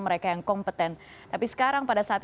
mereka yang kompeten tapi sekarang pada saat